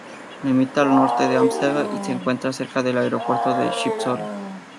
Limita al norte con Ámsterdam y se encuentra cerca del aeropuerto de Schiphol.